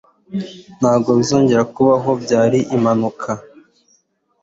Ntabwo bizongera kubaho. Byari impanuka.